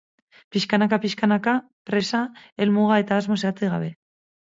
Piskanaka piskanaka, presa, helmuga eta asmo zehatzik gabe.